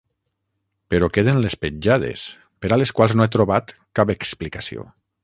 Però queden les petjades, per a les quals no he trobat cap explicació.